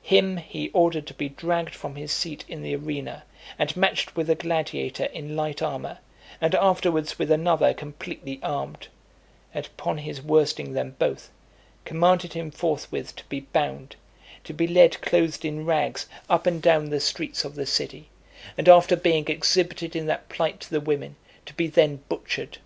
Him he ordered to be dragged from his seat in the arena, and matched with a gladiator in light armour, and afterwards with another completely armed; and upon his worsting them both, commanded him forthwith to be bound, to be led clothed in rags up and down the streets of the city, and, after being exhibited in that plight to the women, to be then butchered.